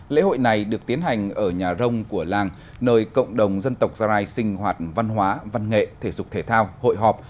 lễ hội này được tiến hành ở nhà rông của làng nơi cộng đồng dân tộc gia rai sinh hoạt văn hóa văn nghệ thể dục thể thao hội họp